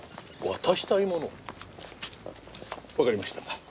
渡したいもの？わかりました。